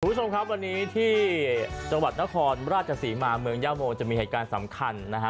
คุณผู้ชมครับวันนี้ที่จังหวัดนครราชศรีมาเมืองย่าโมจะมีเหตุการณ์สำคัญนะฮะ